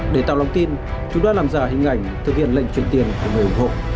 để tạo lòng tin chúng đã làm giả hình ảnh thực hiện lệnh chuyển tiền của người ủng hộ